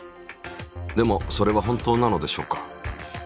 でもそれは本当なのでしょうか？